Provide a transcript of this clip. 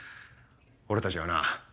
俺たちはなぁ